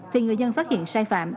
thì người dân phát hiện sai phạm